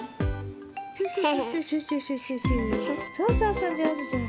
そうそうそう。